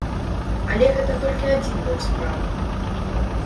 Але гэта толькі адзін бок справы.